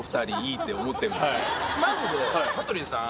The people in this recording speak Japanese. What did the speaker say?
マジで羽鳥さん。